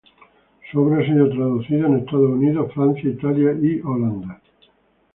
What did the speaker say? Su obra ha sido traducida en Estados Unidos, Francia, Italia y Holanda.